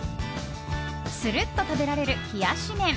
するっと食べられる冷やし麺。